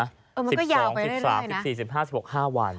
มันก็ยาวไปได้เรื่อยนะแล้วก็๑๒๑๓๑๔๑๕๑๖๕วัน